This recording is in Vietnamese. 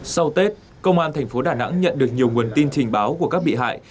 sau tết công an thành phố đà nẵng nhận được nhiều nguồn tin trình báo của các bị hại